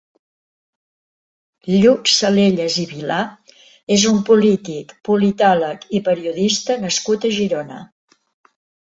Lluc Salellas i Vilar és un polític, politòleg i periodista nascut a Girona.